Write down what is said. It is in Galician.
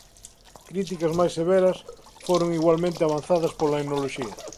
Críticas máis severas foron igualmente avanzadas pola etnoloxía.